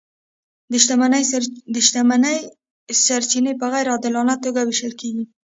د شتمنۍ سرچینې په غیر عادلانه توګه وېشل کیږي.